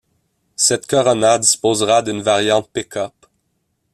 Cette Corona disposera d'une variante pick-up.